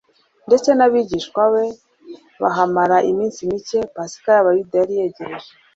ndetse n'abigishwa be, bahamara iminsi mike. Pasika y'Abayuda yari yegereje,